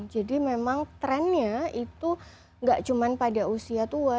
jadi memang trendnya itu gak cuma pada usia tua